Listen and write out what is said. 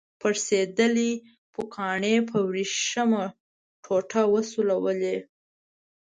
پړسیدلې پوکڼۍ په وریښمینه ټوټه وسولوئ.